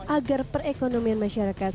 agar perekonomian masyarakat